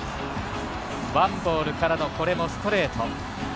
ワンボールからのこれもストレート。